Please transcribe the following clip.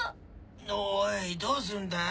おいどうすんだ？